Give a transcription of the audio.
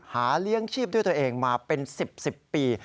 เลี้ยงชีพด้วยตัวเองมาเป็น๑๐๑๐ปี